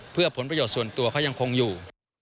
เพื่อผลประโยชน์ส่วนตัวเขายังคงอยู่